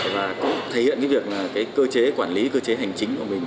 và cũng thể hiện cái việc là cái cơ chế quản lý cơ chế hành chính của mình